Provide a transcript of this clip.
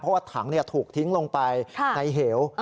เพราะว่าถังถูกทิ้งลงไปในเหว